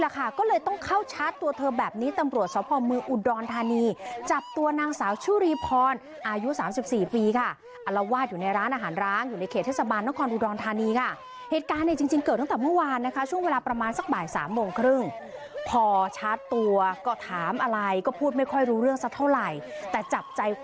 ก็เลยต้องเข้าชาร์จตัวเธอแบบนี้ตำรวจสภเมืองอุดรธานีจับตัวนางสาวชุรีพรอายุ๓๔ปีค่ะอลวาดอยู่ในร้านอาหารร้างอยู่ในเขตเทศบาลนครอุดรธานีค่ะเหตุการณ์เนี่ยจริงเกิดตั้งแต่เมื่อวานนะคะช่วงเวลาประมาณสักบ่ายสามโมงครึ่งพอชาร์จตัวก็ถามอะไรก็พูดไม่ค่อยรู้เรื่องสักเท่าไหร่แต่จับใจความ